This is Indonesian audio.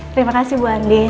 terima kasih bu andin